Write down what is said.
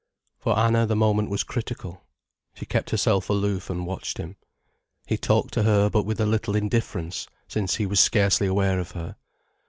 For Anna the moment was critical. She kept herself aloof, and watched him. He talked to her, but with a little indifference, since he was scarcely aware of her.